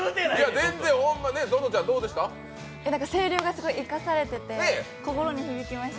声量が生かされてて、心に響きました。